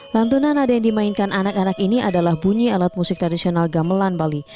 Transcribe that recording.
lantunan ada yang dimainkan anak anak ini adalah bunyi alat musik tradisional gamelan bali